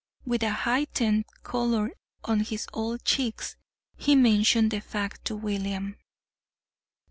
With a heightened color on his old cheeks he mentioned the fact to William.